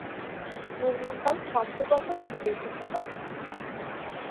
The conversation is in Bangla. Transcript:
নির্মাণকাল সম্ভবত ঊনবিংশ শতাব্দী।